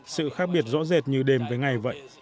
sự khác biệt rõ rệt như đêm với ngày vậy